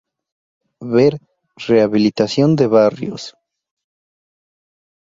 Ver Rehabilitación de barrios.